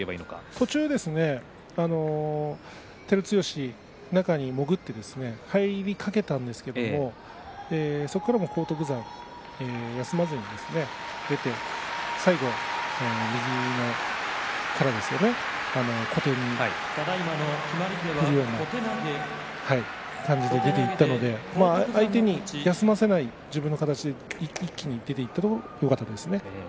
途中に照強中に潜って入りかけたんですがそこから、荒篤山は休まずに最後右から小手に振るような感じで出ていったので相手に休ませない自分の形で一気に出ていったのがよかったですね。